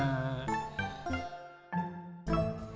mak makasih udah nangis